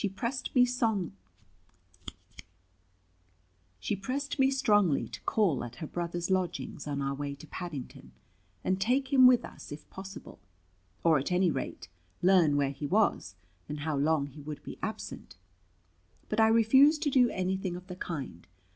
CHAPTER V. Eager as Isola was to see her true father at last, she pressed me strongly to call at her brother's lodgings on our way to Paddington, and take him with us if possible; or at any rate learn where he was, and how long he would be absent. But I refused to do anything of the kind.